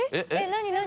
何何？